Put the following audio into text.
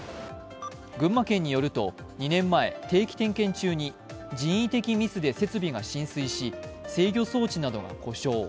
群馬県によると２年前、定期点検中に人為的ミスで設備が浸水し制御装置などが故障。